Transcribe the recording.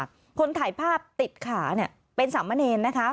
คนถ่ายภาพติดขาเนี่ยเป็นสามเณรนะคะ